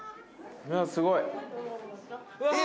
すごい。